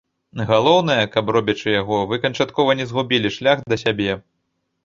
Галоўнае, каб робячы яго, вы канчаткова не згубілі шлях да сябе.